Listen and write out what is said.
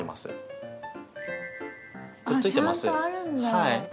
はい。